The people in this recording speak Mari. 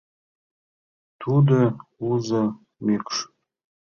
Тудо узо мӱкш.